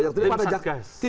yang tadi pada jatgas